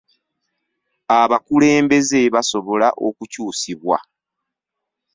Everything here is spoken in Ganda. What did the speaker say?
Abakulembeze basobola okukyusibwa.